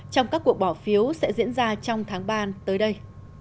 trong các cuộc bỏ phiếu sẽ diễn ra trong tháng ba tới đây